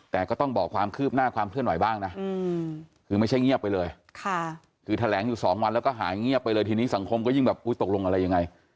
แต่ก็ต้องบอกความคืบหน้าความเคลื่อนไหวบ้างนะคือไม่ใช่เงียบไปเลยคือแถลงอยู่๒วันแล้วก็หายเงียบไปเลยทีนี้สังคมก็ยิ่งแบบอุ๊ยตกลงอะไรยังไง